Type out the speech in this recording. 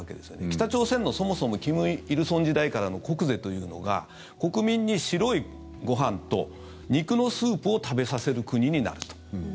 北朝鮮の、そもそも金日成時代からの国是というのが国民に白いご飯と肉のスープを食べさせる国になると。